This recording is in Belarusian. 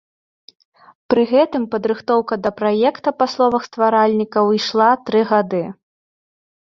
Пры гэтым падрыхтоўка да праекта па словах стваральнікаў ішла тры гады.